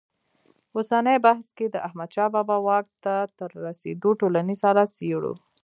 اوسني بحث کې د احمدشاه بابا واک ته تر رسېدو ټولنیز حالت څېړو.